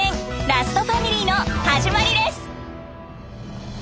ラストファミリー」の始まりです。